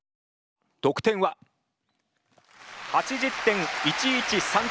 得点は８０．１１３点。